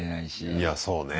いやそうね。